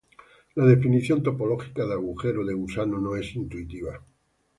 La definición topológica de agujero de gusano no es intuitiva.